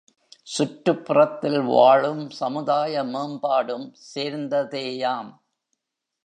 சுற்றுப்புறத்தில் வாழும் சமுதாய மேம்பாடும் சேர்ந்ததேயாம்.